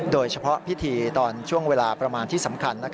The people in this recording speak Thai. โดยเฉพาะพิธีตอนช่วงเวลาประมาณที่สำคัญ